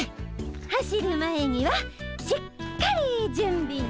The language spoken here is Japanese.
走る前にはしっかり準備ね。